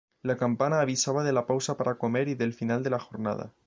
La campana avisaba de la pausa para comer y del final de la jornada.